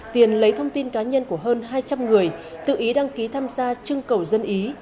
tiền lấy thông tin cá nhân của hơn hai trăm linh người tự ý đăng ký tham gia trưng cầu dân ý